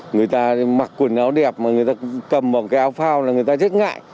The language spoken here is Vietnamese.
người ta mặc quần áo đẹp mà người ta cầm một cái áo phao là người ta rất ngại